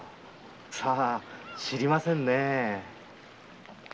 さぁ知りませんねえ。